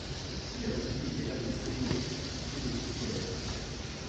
Il a aussi été l’un des pionniers en psychologie scolaire.